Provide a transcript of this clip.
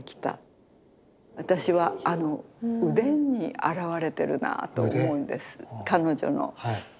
私はあの腕に表れてるなと思うんです彼女の。